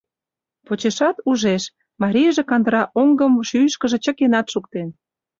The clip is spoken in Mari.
Почешат, ужеш: марийже кандыра оҥгым шӱйышкыжӧ чыкенат шуктен.